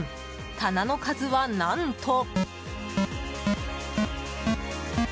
棚の数は何と。